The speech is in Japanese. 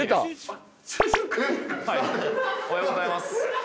おはようございます。